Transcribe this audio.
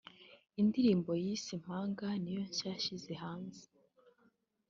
Indirimbo yise’ Impanga’ niyo nshya yashyize hanze